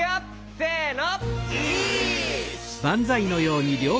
せの。